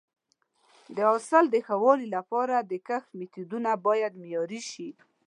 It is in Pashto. د حاصل د ښه والي لپاره د کښت میتودونه باید معیاري شي.